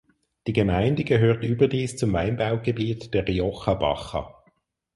Die Gemeinde gehört überdies zum Weinbaugebiet der "Rioja Baja".